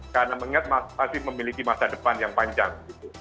karena mengingat masih memiliki masa depan yang panjang